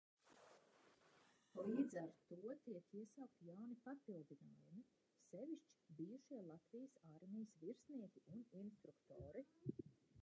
Līdz ar to tiek iesaukti jauni papildinājumi, sevišķi bijušie Latvijas armijas virsnieki un instruktori.